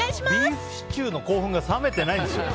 ビーフシチューの興奮が冷めてないんですよ。